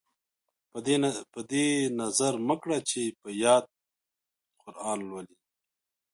په دې یې نظر مه کړه چې په یاد قران لولي.